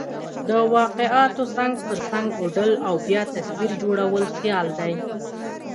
د واقعاتو څنګ پر څنګ اوډل او بیا تصویر جوړل خیال دئ.